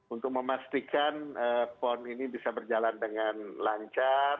untuk memastikan pon ini bisa berjalan dengan lancar